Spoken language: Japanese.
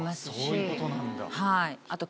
そういうことなんだ。